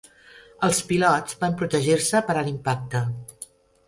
Els pilots van protegir-se per a l'impacte.